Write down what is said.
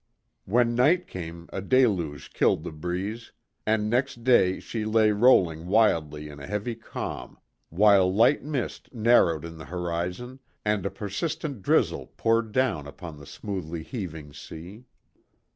When night came, a deluge killed the breeze, and next day she lay rolling wildly in a heavy calm, while light mist narrowed in the horizon and a persistent drizzle poured down upon the smoothly heaving sea.